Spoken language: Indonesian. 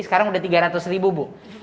sekarang sudah tiga ratus ribu bu